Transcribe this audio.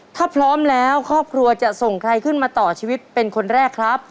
ถ้าพร้อมแล้วครอบครัวจะส่งใครขึ้นมาต่อชีวิตเป็นคนแรกครับ